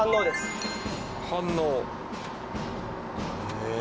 へえ！